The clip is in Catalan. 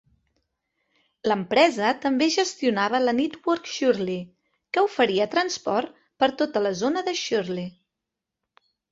L'empresa també gestionava la Network Chorley, que oferia transport per tota la zona de Chorley.